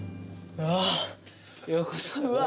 うわ！